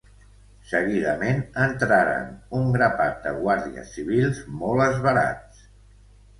Seguidament entraren un grapat de guàrdies civils molt esverats.